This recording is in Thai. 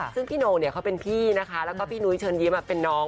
ซึ่งพี่โน่งเนี่ยเขาเป็นพี่นะคะแล้วก็พี่นุ้ยเชิญยิ้มเป็นน้อง